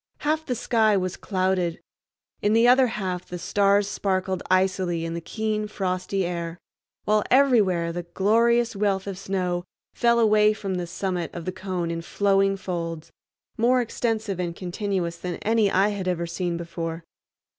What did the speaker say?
Half the sky was clouded; in the other half the stars sparkled icily in the keen, frosty air; while everywhere the glorious wealth of snow fell away from the summit of the cone in flowing folds, more extensive and continuous than any I had ever seen before.